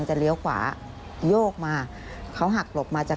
จะมีอร่อยก่อนถึงรายงานกัน